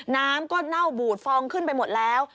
น้ำก็เน่าบูดฟองขึ้นไปหมดแล้ว